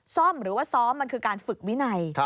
ซ่อมหรือว่าซ้อมมันคือการฝึกวินัย